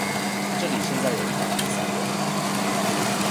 這裡現在有一百零三人